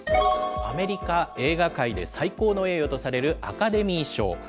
アメリカ映画界で最高の栄誉とされるアカデミー賞。